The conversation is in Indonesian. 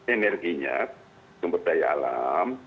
energinya pemberdayaan alam